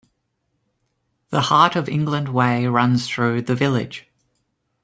The Heart of England Way runs through the village.